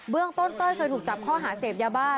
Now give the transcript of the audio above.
เรื่องต้นเต้ยเคยถูกจับข้อหาเสพยาบ้า